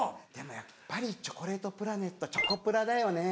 やっぱりチョコレートプラネットチョコプラだよね